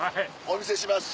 お見せします。